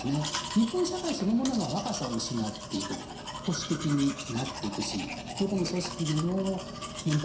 日本社会そのものが若さを失っていく保守的になっていくしどこの組織でも。